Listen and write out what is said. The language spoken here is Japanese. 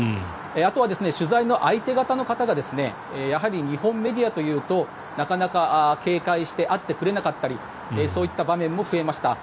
あとは取材の相手方の方がやはり、日本メディアというとなかなか警戒して会ってくれなかったりそういった場面も増えました。